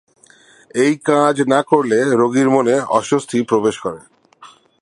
এই কাজ না করলে রোগীর মনে অস্বস্তি প্রবেশ করে।